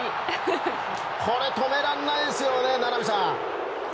これ、止められないですよね名波さん。